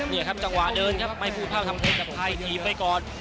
นี่ครับจังหวะเดินครับไปพูดภาพทำเทคกับไทยทีมไปก่อน